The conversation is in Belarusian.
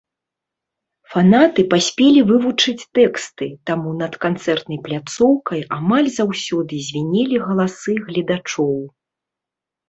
Фанаты паспелі вывучыць тэксты, таму над канцэртнай пляцоўкай амаль заўсёды звінелі галасы гледачоў.